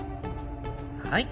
はい。